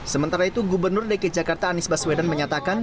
sementara itu gubernur dki jakarta anies baswedan menyatakan